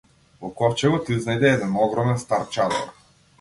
Во ковчегот изнајде еден огромен стар чадор.